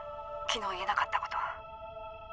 昨日言えなかったこと。